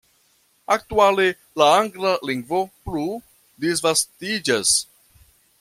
Aktuale la angla lingvo plu disvastiĝas.